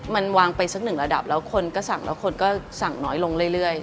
มันวางไปสักหนึ่งระดับแล้วคนก็สั่งแล้วคนก็สั่งน้อยลงเรื่อย